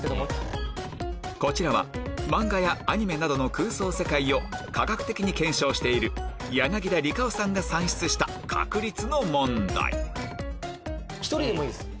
こちらは漫画やアニメなどの空想世界を科学的に検証している柳田理科雄さんが算出した確率の問題１人でもいいです。